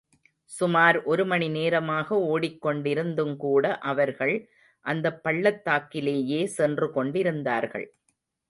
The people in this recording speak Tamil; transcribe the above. சுமார் ஒருமணி நேரமாக ஓடிக் கொண்டிருந்துங்கூட அவர்கள் அந்த பள்ளத்தாக்கிலேயே சென்று கொண்டிருந்தார்கள்.